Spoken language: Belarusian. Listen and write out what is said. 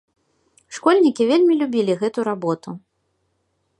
Школьнікі вельмі любілі гэту работу.